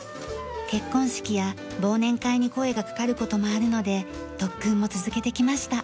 結婚式や忘年会に声がかかる事もあるので特訓も続けてきました。